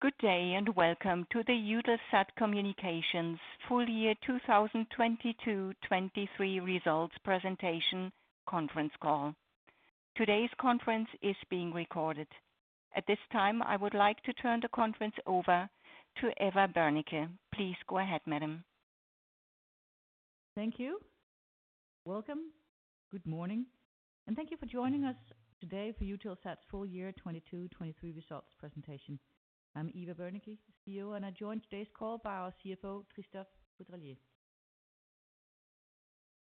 Good day, welcome to the Eutelsat Communications full year 2022, 2023 results presentation conference call. Today's conference is being recorded. At this time, I would like to turn the conference over to Eva Berneke. Please go ahead, madam. Thank you. Welcome. Good morning, and thank you for joining us today for Eutelsat's full year 2022, 2023 results presentation. I'm Eva Berneke, CEO, and I joined today's call by our CFO, Christophe Caudrelier.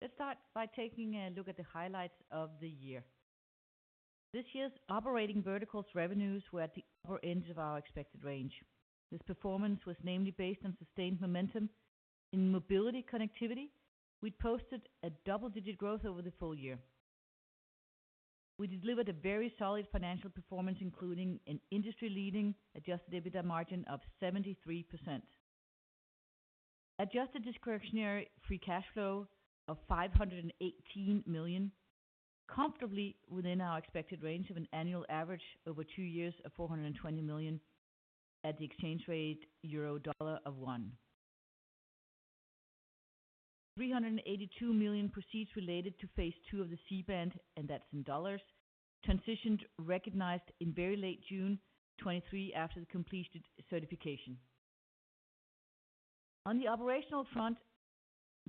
Let's start by taking a look at the highlights of the year. This year's operating verticals revenues were at the upper end of our expected range. This performance was namely based on sustained momentum in mobility connectivity. We posted a double-digit growth over the full year. We delivered a very solid financial performance, including an industry-leading adjusted EBITDA margin of 73%. Adjusted discretionary free cash flow of 518 million, comfortably within our expected range of an annual average over two years of 420 million at the exchange rate euro-dollar of 1. $382 million proceeds related to phase two of the C-band, and that's in dollars, transitioned, recognized in very late June 2023 after the completed certification. On the operational front,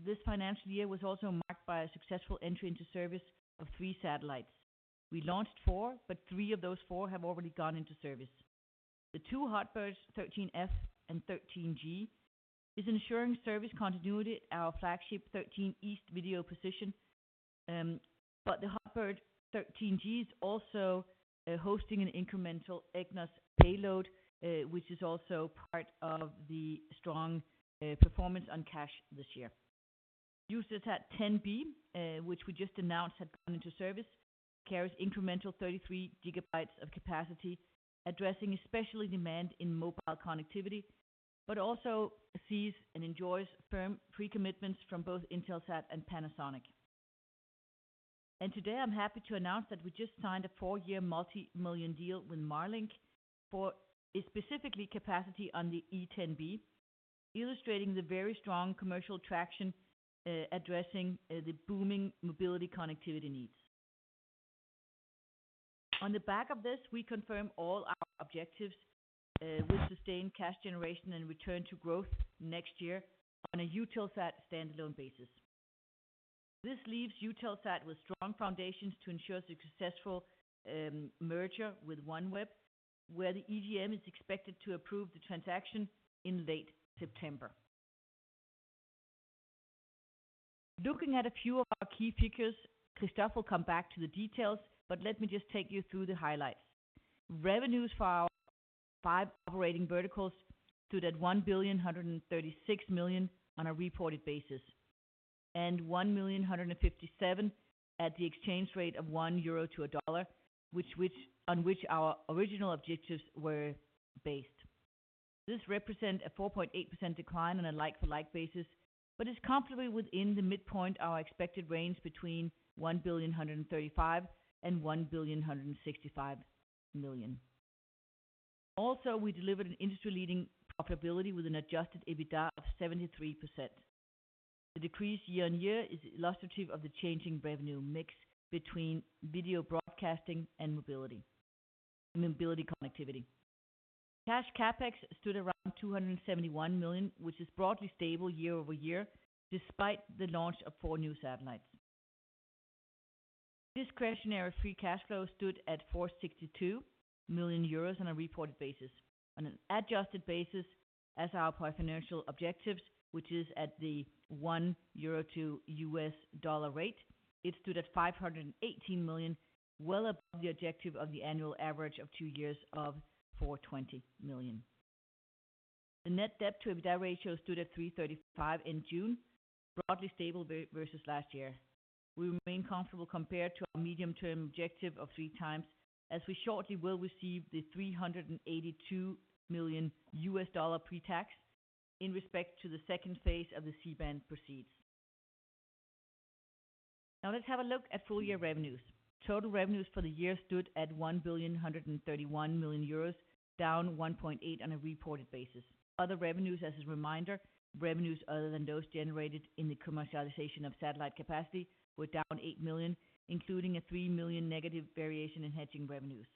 this financial year was also marked by a successful entry into service of three satellites. We launched four, but three of those four have already gone into service. The two HOTBIRD 13F and 13G, is ensuring service continuity, our flagship 13 East video position, but the HOTBIRD 13G is also hosting an incremental EGNOS payload, which is also part of the strong performance on cash this year. EUTELSAT 10B, which we just announced had gone into service, carries incremental 33 GB of capacity, addressing especially demand in mobile connectivity, but also sees and enjoys firm pre-commitments from both Intelsat and Panasonic. Today, I'm happy to announce that we just signed a four-year multi-million EUR deal with Marlink for a specifically capacity on the EUTELSAT 10B, illustrating the very strong commercial traction, addressing the booming mobility connectivity needs. On the back of this, we confirm all our objectives with sustained cash generation and return to growth next year on a Eutelsat standalone basis. This leaves Eutelsat with strong foundations to ensure the successful merger with OneWeb, where the EGM is expected to approve the transaction in late September. Looking at a few of our key figures, Christophe will come back to the details, but let me just take you through the highlights. Revenues for our 5 operating verticals stood at 1,136 million on a reported basis, and 1,000,157 at the exchange rate of 1 euro to $1, which on which our original objectives were based. This represent a 4.8% decline on a like-for-like basis, but is comfortably within the midpoint our expected range between EUR 1,135 million and EUR 1,165 million. We delivered an industry-leading profitability with an adjusted EBITDA of 73%. The decrease year-on-year is illustrative of the changing revenue mix between video broadcasting and mobility connectivity. Cash CapEx stood around 271 million, which is broadly stable year-over-year, despite the launch of 4 new satellites. Discretionary free cash flow stood at 462 million euros on a reported basis. On an adjusted basis, as our financial objectives, which is at the 1 euro to US dollar rate, it stood at 518 million, well above the objective of the annual average of 2 years of 420 million. The net debt to EBITDA ratio stood at 3.35 in June, broadly stable versus last year. We remain comfortable compared to our medium-term objective of 3 times, as we shortly will receive the $382 million pre-tax in respect to the second phase of the C-band proceeds. Let's have a look at full year revenues. Total revenues for the year stood at 1,131 million euros, down 1.8% on a reported basis. Other revenues, as a reminder, revenues other than those generated in the commercialization of satellite capacity, were down 8 million, including a 3 million negative variation in hedging revenues.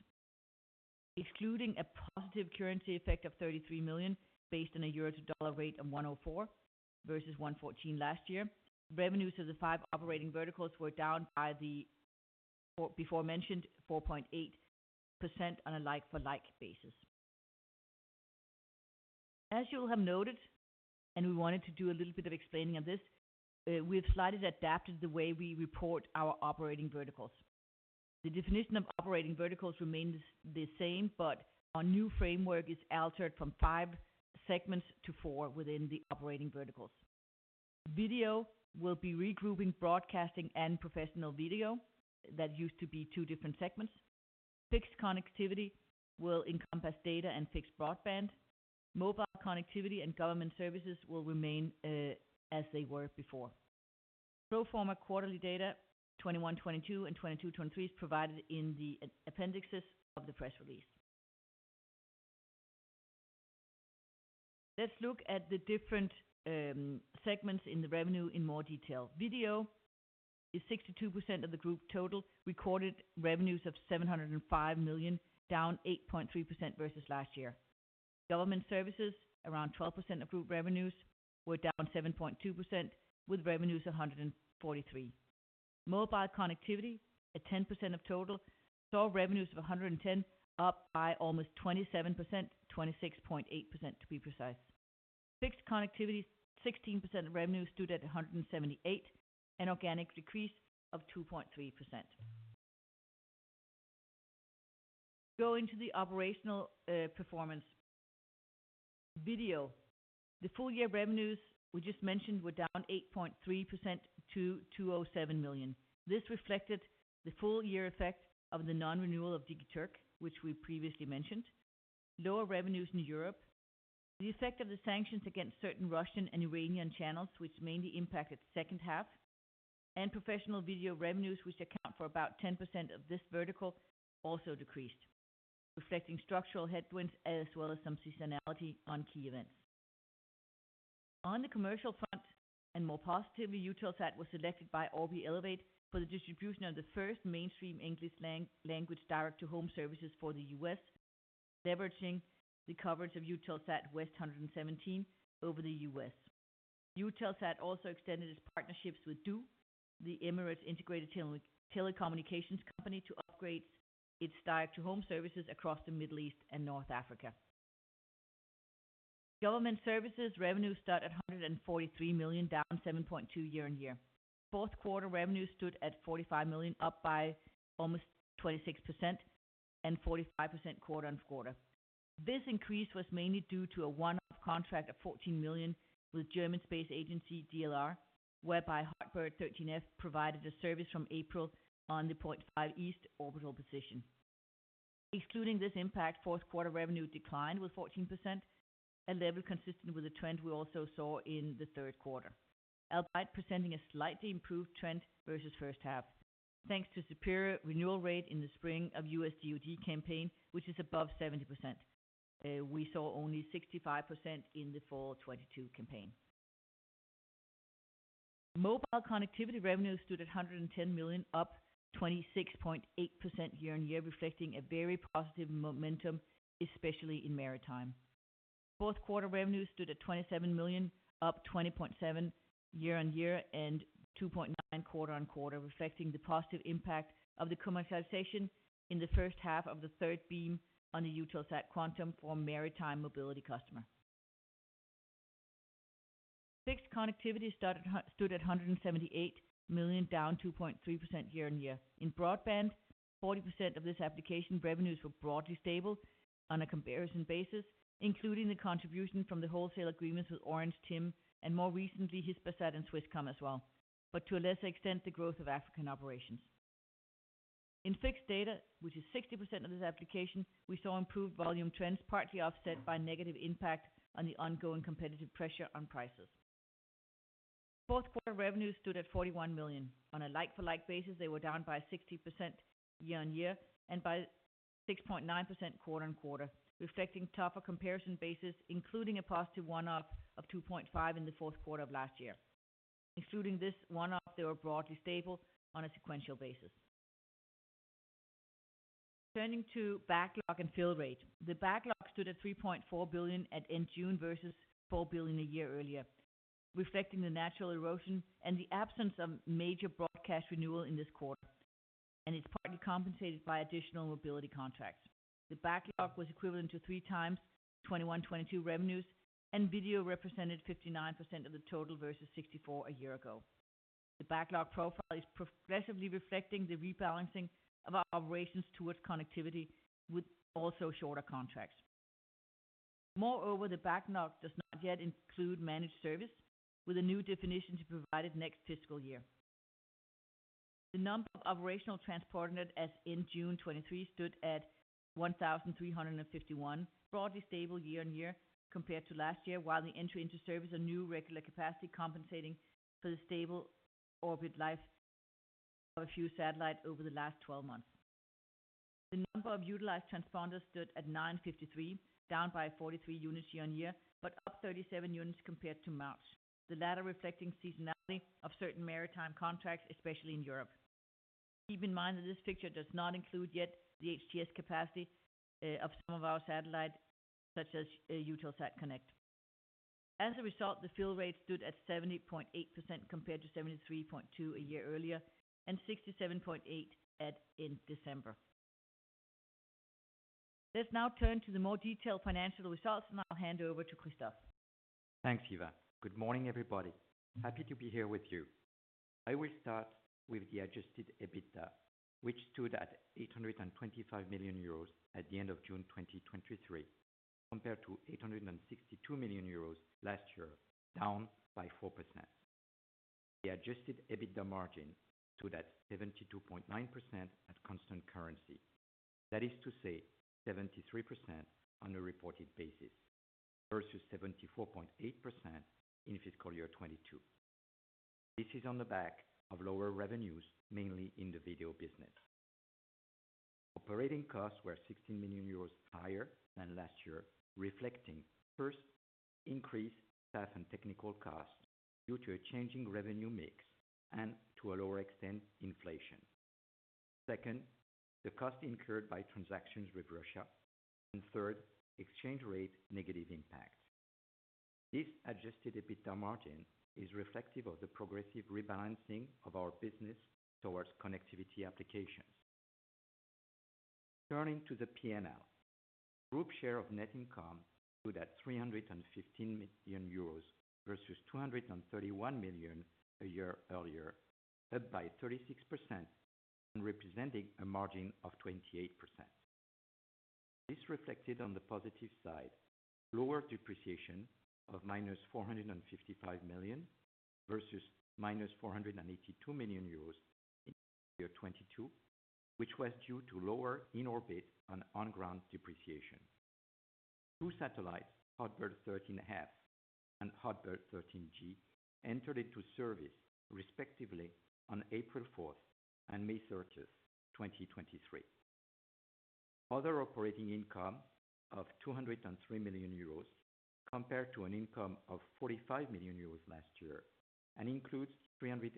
Excluding a positive currency effect of 33 million, based on a euro to dollar rate of 104 versus 114 last year, revenues of the 5 operating verticals were down by the before mentioned, 4.8% on a like-for-like basis. As you'll have noted, we wanted to do a little bit of explaining on this, we've slightly adapted the way we report our operating verticals. The definition of operating verticals remains the same, Our new framework is altered from 5 segments to 4 within the operating verticals. Video will be regrouping, broadcasting, and professional video that used to be 2 different segments. Fixed connectivity will encompass data and fixed broadband. Mobile connectivity and government services will remain as they were before. Pro forma quarterly data, 2021, 2022 and 2022, 2023 is provided in the appendixes of the press release. Let's look at the different segments in the revenue in more detail. Video is 62% of the group total, recorded revenues of 705 million, down 8.3% versus last year. Government services, around 12% of group revenues, were down 7.2%, with revenues of 143 million. Mobile connectivity, at 10% of total, saw revenues of 110 million, up by almost 27%, 26.8%, to be precise. Fixed connectivity, 16% of revenues stood at 178 million, an organic decrease of 2.3%. Go into the operational performance. Video. The full year revenues we just mentioned were down 8.3% to 207 million. This reflected the full year effect of the non-renewal of Digiturk, which we previously mentioned. Lower revenues in Europe, the effect of the sanctions against certain Russian and Iranian channels, which mainly impacted the second half. Professional video revenues, which account for about 10% of this vertical, also decreased, reflecting structural headwinds as well as some seasonality on key events. On the commercial front and more positively, Eutelsat was selected by Orby Elevate for the distribution of the first mainstream English language, direct-to-home services for the US, leveraging the coverage of Eutelsat 117 West over the US. Eutelsat also extended its partnerships with du, the Emirates Integrated Telecommunications Company, to upgrade its direct-to-home services across the Middle East and North Africa. Government services revenues stood at $143 million, down 7.2% year-on-year. Fourth quarter revenues stood at $45 million, up by almost 26% and 45% quarter-on-quarter. This increase was mainly due to a one-off contract of $14 million with German Space Agency, DLR, whereby HOTBIRD 13F provided a service from April on the 0.5 East orbital position. Excluding this impact, fourth quarter revenue declined with 14%, a level consistent with the trend we also saw in the third quarter. Albeit presenting a slightly improved trend versus first half, thanks to superior renewal rate in the spring of US DoD campaign, which is above 70%. We saw only 65% in the fall 2022 campaign. Mobile connectivity revenues stood at $110 million, up 26.8% year-on-year, reflecting a very positive momentum, especially in maritime. Fourth quarter revenues stood at 27 million, up 20.7% year-on-year and 2.9% quarter-on-quarter, reflecting the positive impact of the commercialization in the first half of the third beam on the Eutelsat Quantum for Maritime Mobility customer. Fixed connectivity stood at 178 million, down 2.3% year-on-year. In broadband, 40% of this application revenues were broadly stable on a comparison basis, including the contribution from the wholesale agreements with Orange, TIM and more recently, Hispasat and Swisscom as well, but to a lesser extent, the growth of African operations. In fixed data, which is 60% of this application, we saw improved volume trends, partly offset by negative impact on the ongoing competitive pressure on prices. Fourth quarter revenues stood at 41 million. On a like-for-like basis, they were down by 60% year-on-year and by 6.9% quarter-on-quarter, reflecting tougher comparison basis, including a positive one-off of 2.5 in the fourth quarter of last year. Excluding this one-off, they were broadly stable on a sequential basis. Turning to backlog and fill rate. The backlog stood at 3.4 billion at end June, versus 4 billion a year earlier, reflecting the natural erosion and the absence of major broadcast renewal in this quarter, it's partly compensated by additional mobility contracts. The backlog was equivalent to three times 2021, 2022 revenues, video represented 59% of the total, versus 64 a year ago. The backlog profile is progressively reflecting the rebalancing of our operations towards connectivity, with also shorter contracts. Moreover, the backlog does not yet include managed service, with a new definition to be provided next fiscal year. The number of operational transponders as in June 2023, stood at 1,351, broadly stable year-on-year compared to last year, while the entry into service a new regular capacity compensating for the stable orbit life of a few satellites over the last 12 months. The number of utilized transponders stood at 953, down by 43 units year-on-year, but up 37 units compared to March, the latter reflecting seasonality of certain maritime contracts, especially in Europe. Keep in mind that this picture does not include yet the HTS capacity of some of our satellites, such as EUTELSAT KONNECT. As a result, the fill rate stood at 70.8%, compared to 73.2 a year earlier, and 67.8 in December. Let's now turn to the more detailed financial results, and I'll hand over to Christophe. Thanks, Eva. Good morning, everybody. Happy to be here with you. I will start with the adjusted EBITDA, which stood at 825 million euros at the end of June 2023, compared to 862 million euros last year, down by 4%. The adjusted EBITDA margin stood at 72.9% at constant currency. That is to say, 73% on a reported basis, versus 74.8% in fiscal year 2022. This is on the back of lower revenues, mainly in the video business. Operating costs were 16 million euros higher than last year, reflecting, first, increased staff and technical costs due to a changing revenue mix and to a lower extent, inflation. Second, the cost incurred by transactions with Russia. Third, exchange rate negative impact. This adjusted EBITDA margin is reflective of the progressive rebalancing of our business towards connectivity applications. Turning to the P&L. Group share of net income stood at 315 million euros, versus 231 million a year earlier, up by 36% and representing a margin of 28%. This reflected on the positive side, lower depreciation of -455 million versus -482 million euros in 2022, which was due to lower in-orbit and on-ground depreciation. Two satellites, HOTBIRD 13F and HOTBIRD 13G, entered into service, respectively, on April 4th and May 30th, 2023. Other operating income of 203 million euros, compared to an income of 45 million euros last year, and includes $382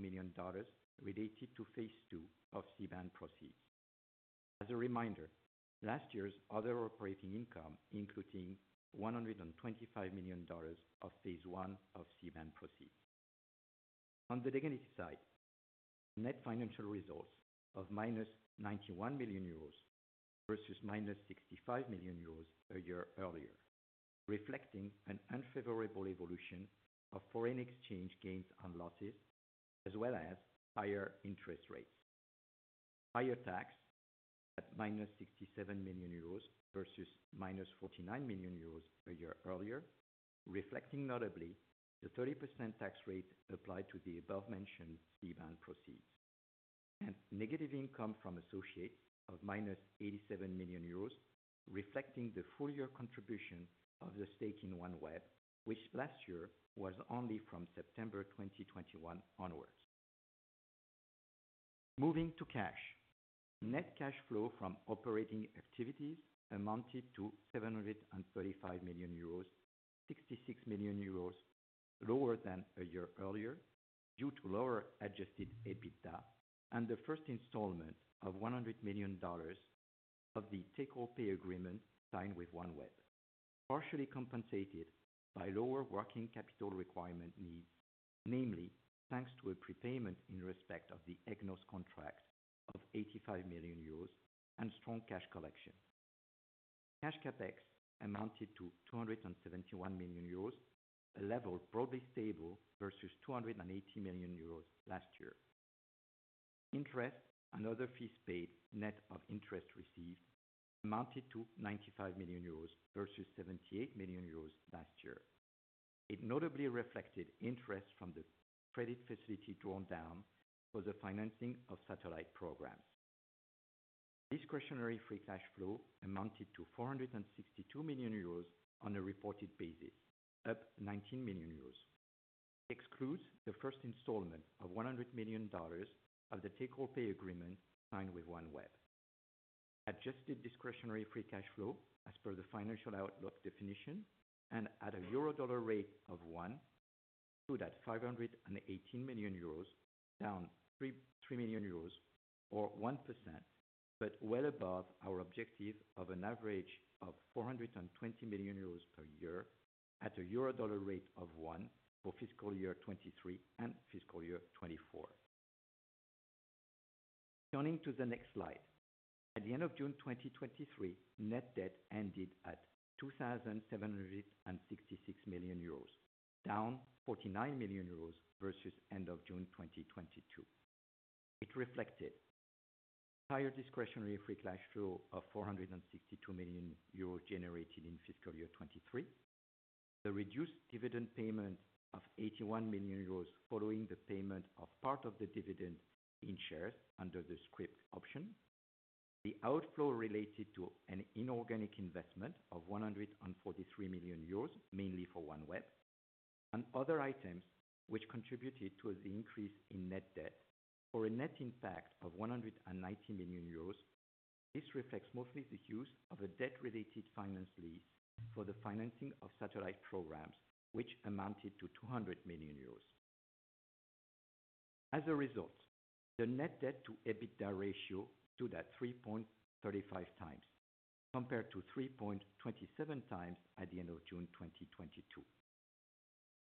million related to phase two of C-band proceeds. As a reminder, last year's other operating income, including $125 million of phase one of C-band proceeds. On the negative side, net financial results of minus 91 million euros versus minus 65 million euros a year earlier, reflecting an unfavorable evolution of foreign exchange gains and losses, as well as higher interest rates. Higher tax at minus 67 million euros versus minus 49 million euros a year earlier, reflecting notably the 30% tax rate applied to the above-mentioned C-band proceeds, and negative income from associates of minus 87 million euros, reflecting the full year contribution of the stake in OneWeb, which last year was only from September 2021 onwards. Moving to cash. Net cash flow from operating activities amounted to 735 million euros, 66 million euros lower than a year earlier, due to lower adjusted EBITDA and the first installment of $100 million of the take-or-pay agreement signed with OneWeb, partially compensated by lower working capital requirement needs, namely thanks to a prepayment in respect of the EGNOS contracts of 85 million euros and strong cash collection. Cash CapEx amounted to 271 million euros, a level broadly stable versus 280 million euros last year. Interest and other fees paid, net of interest received, amounted to 95 million euros versus 78 million euros last year. It notably reflected interest from the credit facility drawn down for the financing of satellite programs. Discretionary free cash flow amounted to 462 million euros on a reported basis, up 19 million euros, excludes the first installment of $100 million of the take-or-pay agreement signed with OneWeb. Adjusted discretionary free cash flow as per the financial outlook definition and at a euro-dollar rate of one, stood at 518 million euros, down 3 million euros or 1%, well above our objective of an average of 420 million euros per year at a euro-dollar rate of one for fiscal year 2023 and fiscal year 2024. Turning to the next slide. At the end of June 2023, net debt ended at 2,766 million euros, down 49 million euros versus end of June 2022. It reflected higher discretionary free cash flow of 462 million euros generated in fiscal year 2023, the reduced dividend payment of 81 million euros following the payment of part of the dividend in shares under the scrip option, the outflow related to an inorganic investment of 143 million euros, mainly for OneWeb, and other items which contributed to the increase in net debt for a net impact of 190 million euros. This reflects mostly the use of a debt-related finance lease for the financing of satellite programs, which amounted to 200 million euros. As a result, the net debt to EBITDA ratio stood at 3.35 times, compared to 3.27 times at the end of June 2022.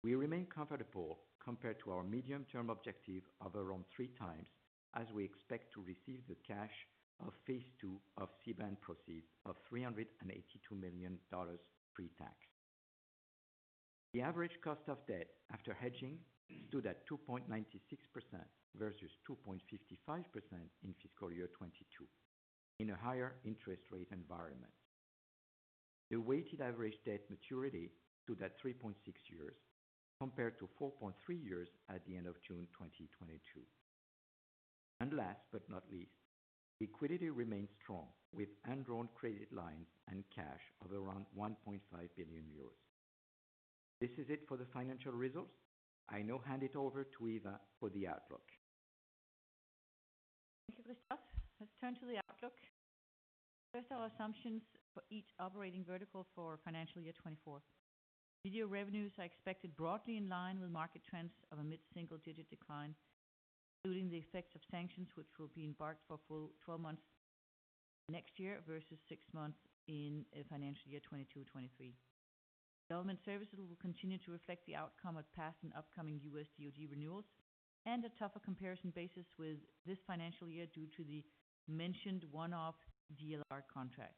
We remain comfortable compared to our medium-term objective of around three times, as we expect to receive the cash of phase two of C-band proceeds of $382 million pre-tax. The average cost of debt after hedging stood at 2.96% versus 2.55% in fiscal year 2022, in a higher interest rate environment. The weighted average debt maturity stood at 3.6 years, compared to 4.3 years at the end of June 2022. Last but not least, liquidity remains strong, with undrawn credit lines and cash of around 1.5 billion euros. This is it for the financial results. I now hand it over to Eva for the outlook. Thank you for the start. Let's turn to the outlook. First, our assumptions for each operating vertical for financial year 2024. Video revenues are expected broadly in line with market trends of a mid-single digit decline, including the effects of sanctions, which will be embarked for full 12 months next year versus 6 months in financial year 2022, 2023. Development services will continue to reflect the outcome of past and upcoming US DoD renewals, and a tougher comparison basis with this financial year due to the mentioned one-off DLR contract.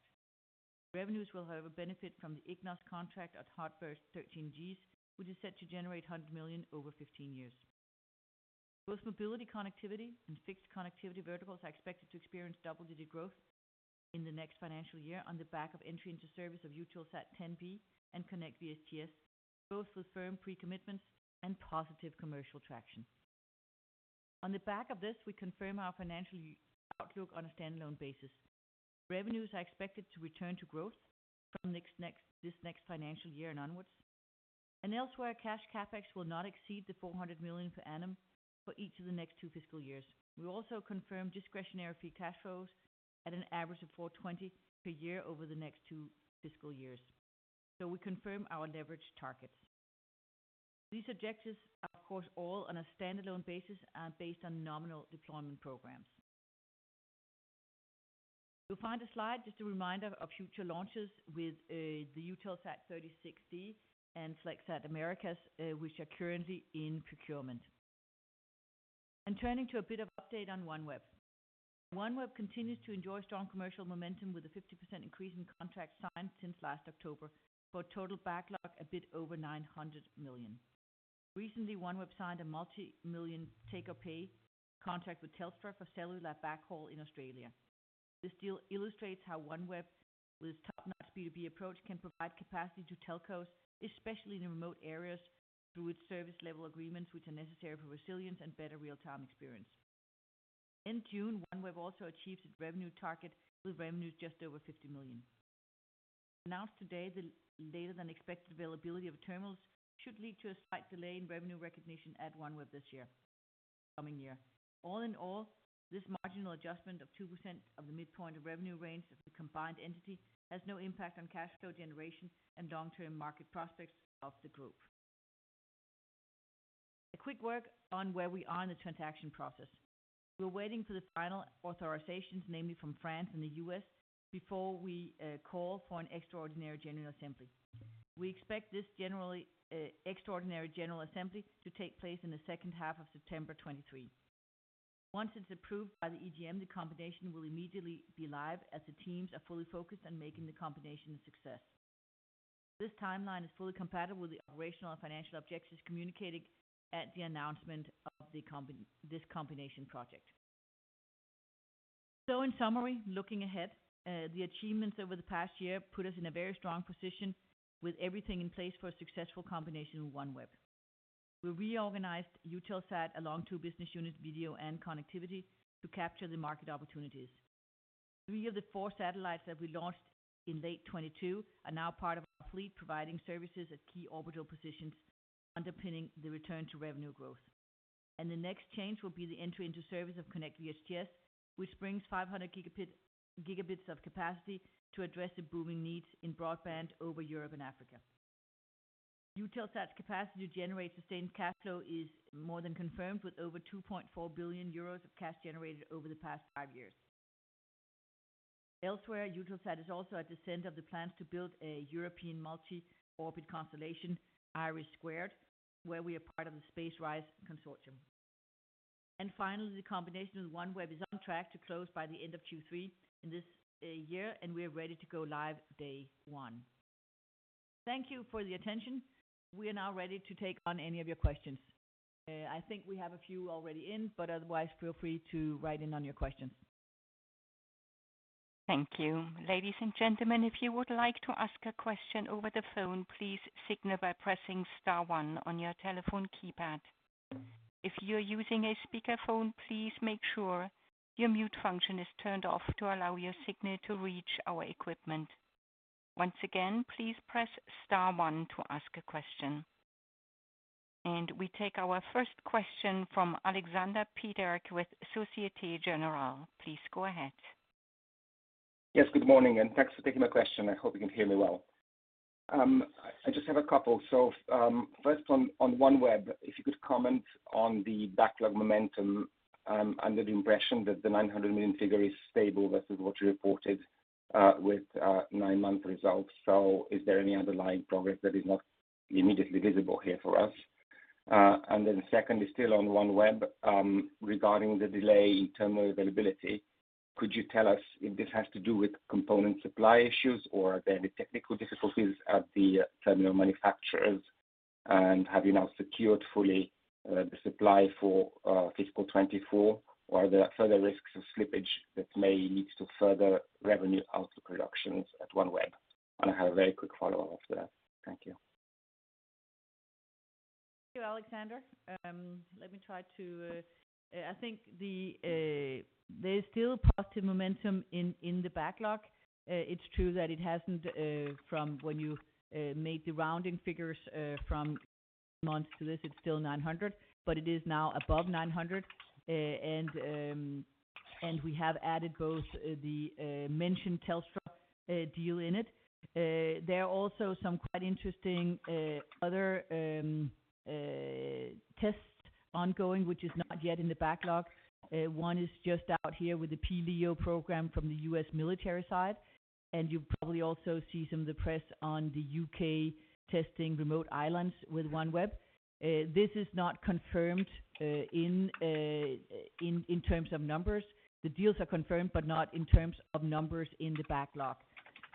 Revenues will however, benefit from the EGNOS contract at HOTBIRD 13, which is set to generate 100 million over 15 years. Both mobility, connectivity and fixed connectivity verticals are expected to experience double-digit growth in the next financial year on the back of entry into service of EUTELSAT 10B and Konnect VHTS, both with firm pre-commitments and positive commercial traction. On the back of this, we confirm our financial outlook on a standalone basis. Revenues are expected to return to growth from this next financial year and onwards. Elsewhere, cash CapEx will not exceed 400 million per annum for each of the next two fiscal years. We also confirm discretionary free cash flows at an average of 420 per year over the next two fiscal years. We confirm our leverage targets. These objectives are, of course, all on a standalone basis and based on nominal deployment programs. You'll find a slide, just a reminder of future launches with the EUTELSAT 36D and Flexsat Americas, which are currently in procurement. Turning to a bit of update on OneWeb. OneWeb continues to enjoy strong commercial momentum, with a 50% increase in contracts signed since last October, for a total backlog, a bit over 900 million. Recently, OneWeb signed a multi-million take-or-pay contract with Telstra for cellular backhaul in Australia. This deal illustrates how OneWeb's top-notch B2B approach can provide capacity to telcos, especially in remote areas, through its service level agreements, which are necessary for resilience and better real-time experience. In June, OneWeb also achieved its revenue target with revenues just over 50 million. Announced today, the later than expected availability of terminals should lead to a slight delay in revenue recognition at OneWeb this year, coming year. All in all, this marginal adjustment of 2% of the midpoint of revenue range of the combined entity, has no impact on cash flow generation and long-term market prospects of the group. A quick work on where we are in the transaction process. We're waiting for the final authorizations, namely from France and the US, before we call for an extraordinary general assembly. We expect this extraordinary general assembly to take place in the second half of September 2023. Once it's approved by the EGM, the combination will immediately be live as the teams are fully focused on making the combination a success. This timeline is fully compatible with the operational and financial objectives communicated at the announcement of this combination project. In summary, looking ahead, the achievements over the past year put us in a very strong position with everything in place for a successful combination with OneWeb. We reorganized Eutelsat along two business units, video and connectivity, to capture the market opportunities. Three of the four satellites that we launched in late 2022 are now part of our fleet, providing services at key orbital positions, underpinning the return to revenue growth. The next change will be the entry into service of Konnect VHTS, which brings 500 Gb of capacity to address the booming needs in broadband over Europe and Africa. Eutelsat's capacity to generate sustained cash flow is more than confirmed, with over 2.4 billion euros of cash generated over the past five years. Elsewhere, Eutelsat is also at the center of the plans to build a European multi-orbit constellation, IRIS², where we are part of the SpaceRISE consortium. Finally, the combination with OneWeb is on track to close by the end of Q3 in this year, and we are ready to go live day 1. Thank you for the attention. We are now ready to take on any of your questions. I think we have a few already in, otherwise, feel free to write in on your questions. Thank you. Ladies and gentlemen, if you would like to ask a question over the phone, please signal by pressing star one on your telephone keypad. If you're using a speakerphone, please make sure your mute function is turned off to allow your signal to reach our equipment. Once again, please press star one to ask a question. We take our first question from Alexander Peterc with Societe Generale. Please go ahead. Yes, good morning and thanks for taking my question. I hope you can hear me well. I just have a couple. First on, on OneWeb, if you could comment on the backlog momentum, under the impression that the 900 million figure is stable versus what you reported with 9-month results. Is there any underlying progress that is not immediately visible here for us? Then second is still on OneWeb. Regarding the delay in terminal availability, could you tell us if this has to do with component supply issues or are there any technical difficulties at the terminal manufacturers? Have you now secured fully the supply for fiscal 2024, or are there further risks of slippage that may lead to further revenue outlook reductions at OneWeb? I have a very quick follow-up after that. Thank you. Thank you, Alexander. Let me try to. I think there's still positive momentum in the backlog. It's true that it hasn't, from when you made the rounding figures, from months to this, it's still 900, but it is now above 900. We have added both the mentioned Telstra deal in it. There are also some quite interesting other tests ongoing, which is not yet in the backlog. One is just out here with the pLEO program from the U.S. military side. You probably also see some of the press on the U.K. testing remote islands with OneWeb. This is not confirmed in terms of numbers. The deals are confirmed, not in terms of numbers in the backlog.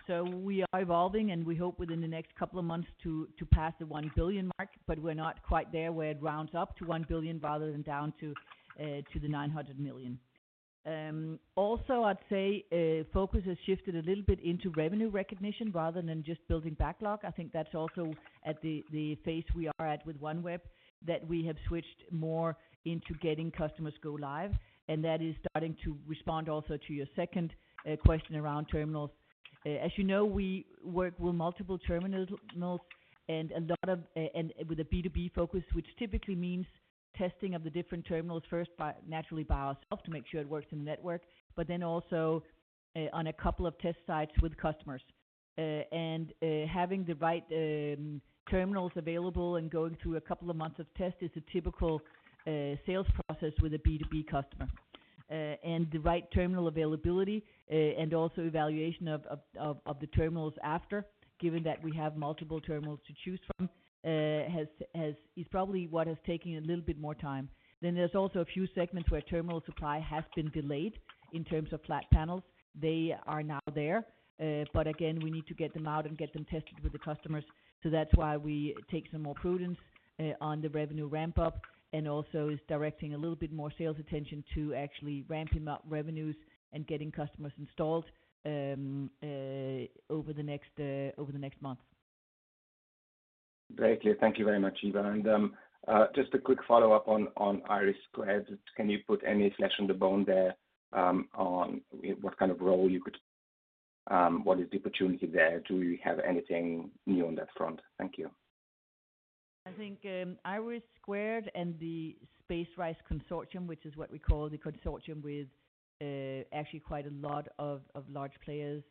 We are evolving, we hope within the next couple of months to pass the 1 billion mark, but we're not quite there, where it rounds up to 1 billion rather than down to the 900 million. Also, I'd say, focus has shifted a little bit into revenue recognition rather than just building backlog. I think that's also at the phase we are at with OneWeb, that we have switched more into getting customers go live, and that is starting to respond also to your second question around terminals. As you know, we work with multiple terminals, and a lot of and with a B2B focus, which typically means testing of the different terminals, first by naturally by ourself, to make sure it works in the network, but then also on a couple of test sites with customers. Having the right terminals available and going through a couple of months of test is a typical sales process with a B2B customer. The right terminal availability, and also evaluation of the terminals after, given that we have multiple terminals to choose from, is probably what has taken a little bit more time. There's also a few segments where terminal supply has been delayed in terms of flat panels. They are now there, but again, we need to get them out and get them tested with the customers. That's why we take some more prudence on the revenue ramp up, and also is directing a little bit more sales attention to actually ramping up revenues and getting customers installed over the next months. Greatly. Thank you very much, Eva. Just a quick follow-up on, on IRIS². Can you put any flesh on the bone there, on what kind of role you could, what is the opportunity there? Do we have anything new on that front? Thank you. I think, IRIS² and the SpaceRISE Consortium, which is what we call the consortium with actually quite a lot of large players,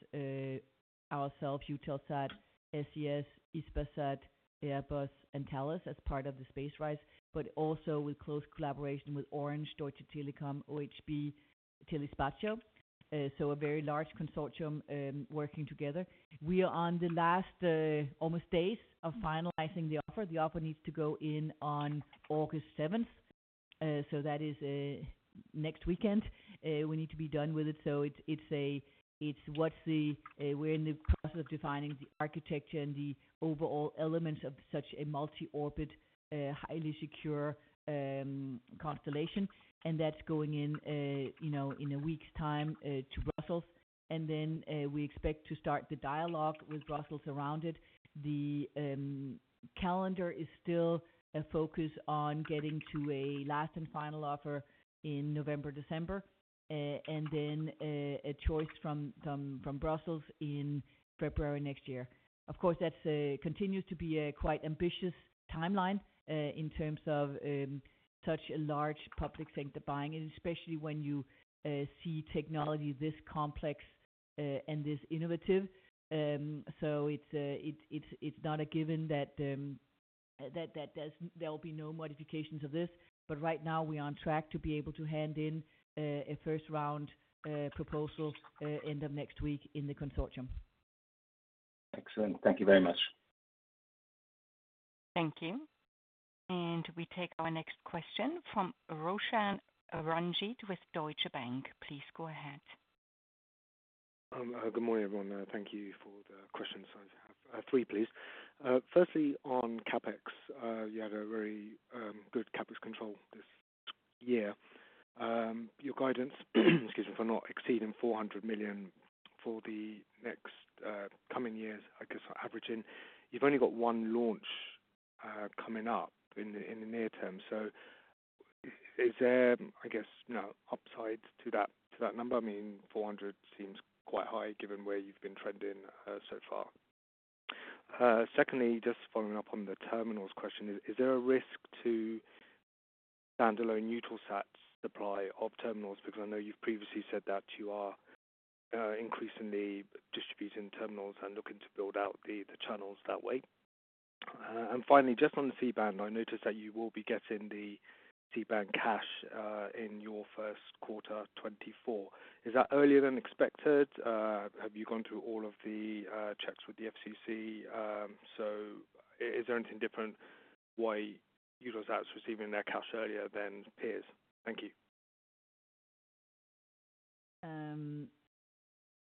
ourselves, Eutelsat, SES, Hispasat, Airbus, and Thales, as part of the SpaceRISE, but also with close collaboration with Orange, Deutsche Telekom, OHB, Telespacio. A very large consortium working together. We are on the last almost days of finalizing the offer. The offer needs to go in on August 7th, that is next weekend, we need to be done with it. We're in the process of defining the architecture and the overall elements of such a multi-orbit, highly secure constellation. That's going in, you know, in a week's time, to Brussels. We expect to start the dialogue with Brussels around it. The calendar is still a focus on getting to a last and final offer in November, December, a choice from Brussels in February next year. Of course, that's continues to be a quite ambitious timeline in terms of such a large public sector buying, and especially when you see technology this complex and this innovative. It's, it's not a given that there will be no modifications of this, but right now we are on track to be able to hand in a first-round proposal end of next week in the consortium. Excellent. Thank you very much. Thank you. We take our next question from Roshan Ranjit with Deutsche Bank. Please go ahead. Good morning, everyone. Thank you for the questions. I have three, please. Firstly, on CapEx. You had a very good CapEx control this year. Your guidance, excuse me, for not exceeding 400 million for the next coming years, I guess, averaging, you've only got one launch coming up in the near term. Is there, I guess, you know, upside to that, to that number? I mean, 400 seems quite high given where you've been trending so far. Secondly, just following up on the terminals question. Is there a risk to standalone Eutelsat's supply of terminals? Because I know you've previously said that you are increasingly distributing terminals and looking to build out the channels that way. Finally, just on the C-band, I noticed that you will be getting the C-band cash in your 1st quarter 2024. Is that earlier than expected? Have you gone through all of the checks with the FCC? Is there anything different why Eutelsat's receiving their cash earlier than peers? Thank you.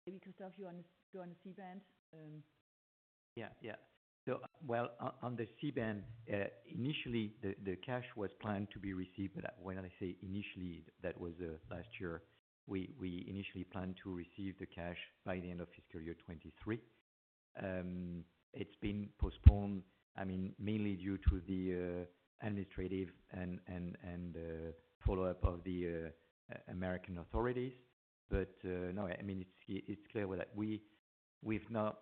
Maybe, Christophe, do you want to go on C-band? Yeah. Yeah. Well, on, on the C-band, initially, the, the cash was planned to be received, but when I say initially, that was last year. We, we initially planned to receive the cash by the end of fiscal year 23. It's been postponed, I mean, mainly due to the administrative and follow-up of the American authorities. No, I mean, it's, it's clear that we, we've not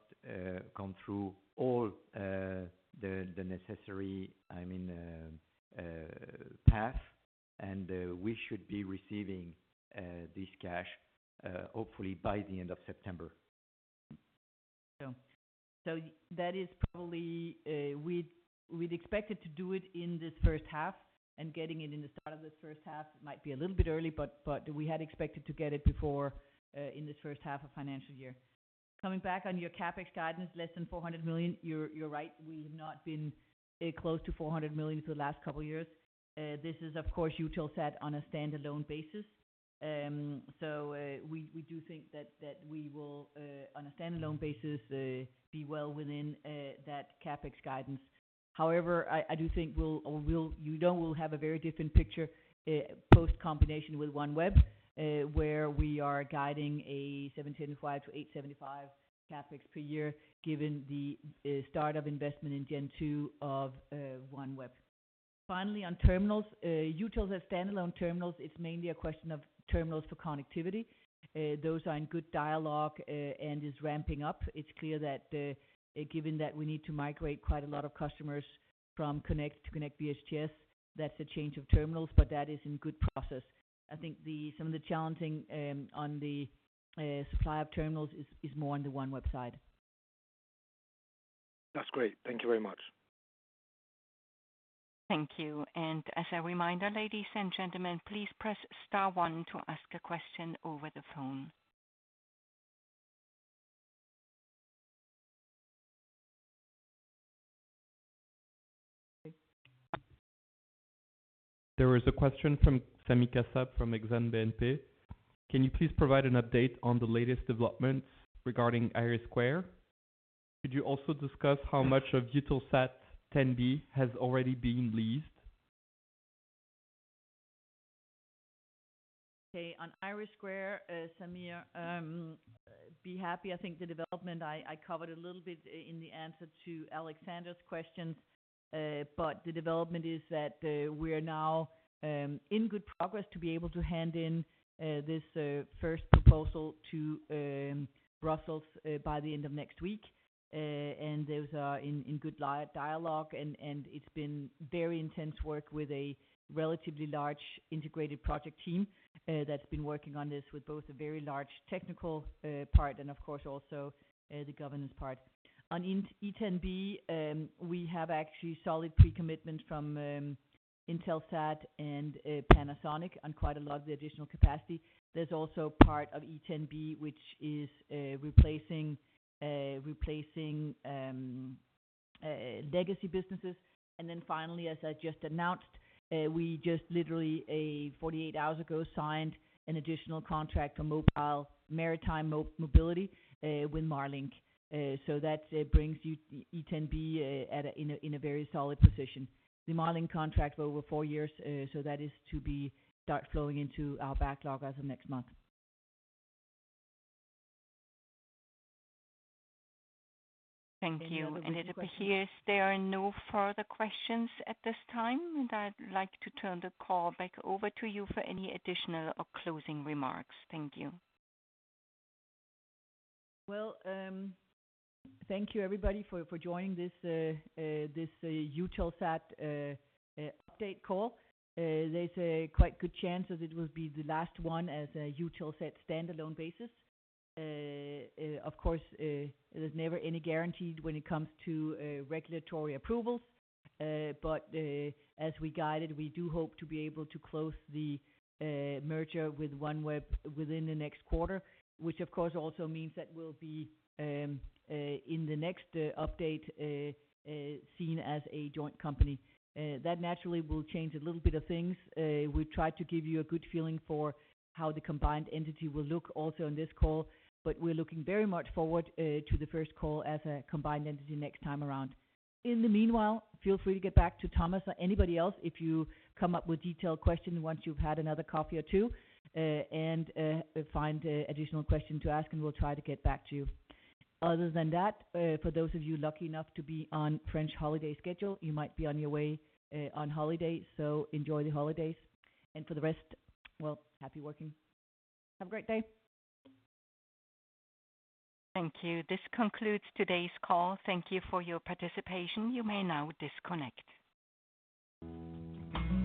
gone through all the necessary, I mean, path, and we should be receiving this cash hopefully by the end of September. That is probably, we'd, we'd expect it to do it in this first half and getting it in the start of this first half. It might be a little bit early, but we had expected to get it before in this first half of financial year. Coming back on your CapEx guidance, less than 400 million, you're, you're right. We have not been close to 400 million for the last couple of years. This is, of course, Eutelsat on a standalone basis. We, we do think that, that we will on a standalone basis be well within that CapEx guidance. However, I do think we'll you know, we'll have a very different picture post combination with OneWeb, where we are guiding a 75-875 CapEx per year, given the start of investment in Gen 2 of OneWeb. Finally, on terminals, Eutelsat standalone terminals, it's mainly a question of terminals for connectivity. Those are in good dialogue and is ramping up. It's clear that given that we need to migrate quite a lot of customers from KONNECT to Konnect VHTS, that's a change of terminals, but that is in good process. I think the, some of the challenging on the supply of terminals is, is more on the OneWeb side. That's great. Thank you very much. Thank you. As a reminder, ladies and gentlemen, please press star 1 to ask a question over the phone. There was a question from Sami Kassab from Exane BNP. Can you please provide an update on the latest developments regarding IRIS²? Could you also discuss how much of EUTELSAT 10B has already been leased? Okay. On IRIS², Sami, be happy. I think the development I, I covered a little bit in the answer to Alexander's question, but the development is that we are now in good progress to be able to hand in this first proposal to Brussels by the end of next week. Those are in, in good dialogue, and it's been very intense work with a relatively large integrated project team that's been working on this with both a very large technical part and of course, also, the governance part. On in E10B, we have actually solid pre-commitment from Intelsat and Panasonic on quite a lot of the additional capacity. There's also part of E10B, which is replacing, replacing legacy businesses. Finally, as I just announced, we just literally a 48 hours ago, signed an additional contract for mobile, maritime mobility, with Marlink. That brings E10B at a, in a, in a very solid position. The Marlink contract over 4 years, that is to be start flowing into our backlog as of next month. Thank you. It appears there are no further questions at this time, I'd like to turn the call back over to you for any additional or closing remarks. Thank you. Well, thank you, everybody, for, for joining this, this Eutelsat update call. There's a quite good chance that it will be the last one as a Eutelsat standalone basis. Of course, there's never any guaranteed when it comes to regulatory approvals. But, as we guided, we do hope to be able to close the merger with OneWeb within the next quarter, which of course also means that we'll be in the next update seen as a joint company. That naturally will change a little bit of things. We try to give you a good feeling for how the combined entity will look also on this call, but we're looking very much forward to the first call as a combined entity next time around. In the meanwhile, feel free to get back to Thomas or anybody else if you come up with detailed questions, once you've had another coffee or two. Find additional questions to ask, and we'll try to get back to you. Other than that, for those of you lucky enough to be on French holiday schedule, you might be on your way on holiday, so enjoy the holidays, and for the rest, well, happy working. Have a great day. Thank you. This concludes today's call. Thank you for your participation. You may now disconnect.